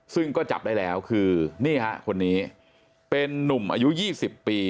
ซึ่งก็จับได้แล้วคือนี่ฮะคนนี้เป็นนุ่มอายุ๒๐ปี